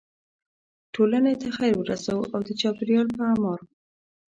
ټولنې ته خیر ورسوو او د چاپیریال په اعمار.